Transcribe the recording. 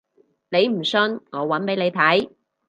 你唔信我搵俾你睇